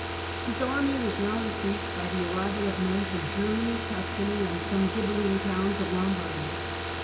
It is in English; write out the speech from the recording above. His army was now increased by the arrival of men from Germany, Tuscany, and some Ghibelline towns of Lombardy.